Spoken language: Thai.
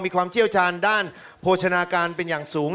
ความเชี่ยวชาญด้านโภชนาการเป็นอย่างสูง